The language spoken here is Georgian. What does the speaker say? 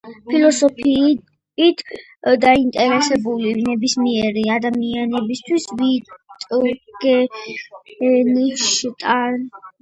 ფილოსოფიით დაინტერესებული ნებისმიერი ადამიანისთვის ვიტგენშტაინის